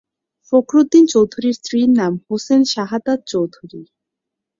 ফখরুদ্দিন চৌধুরীর স্ত্রীর নাম হোসনে শাহাদাত চৌধুরী।